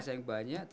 masa yang banyak